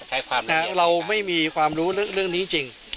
ใช้ความเรียกนะครับเราไม่มีความรู้เรื่องเรื่องนี้จริง